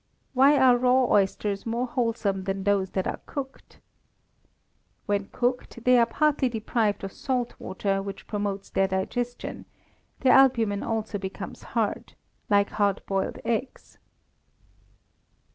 Why are raw oysters more wholesome than those that are cooked? When cooked they are partly deprived of salt water, which promotes their digestion; their albumen also becomes hard (like hard boiled eggs).